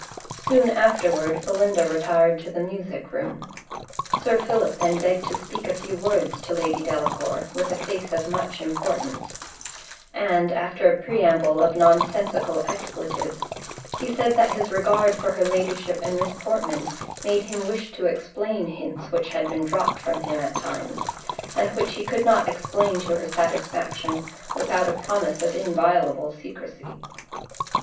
Soon afterward Belinda retired to the music room. Sir Philip then begged to speak a few words to Lady Delacour, with a face of much importance: and after a preamble of nonsensical expletives, he said that his regard for her ladyship and Miss Portman made him wish to explain hints which had been dropped from him at times, and which he could not explain to her satisfaction, without a promise of inviolable secresy.